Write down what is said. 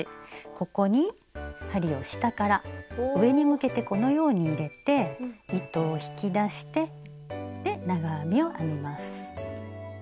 ここに針を下から上に向けてこのように入れて糸を引き出して長編みを編みます。